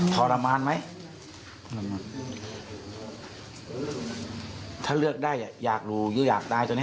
ถ้าเลือกได้อยากรู้หรืออยากตายตอนนี้